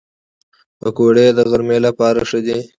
پکورې د غرمنۍ لپاره ښه دي